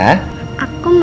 aku mau ketemu mama